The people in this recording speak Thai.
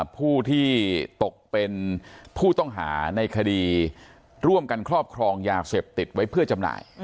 ผู้ที่ตกเป็นผู้ต้องหาในคดีร่วมกันครอบครองยาเสพติดไว้เพื่อจำหน่าย